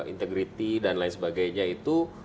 integriti dan lain sebagainya itu